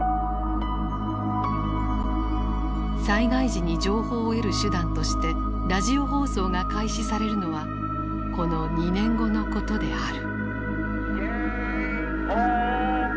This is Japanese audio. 災害時に情報を得る手段としてラジオ放送が開始されるのはこの２年後のことである。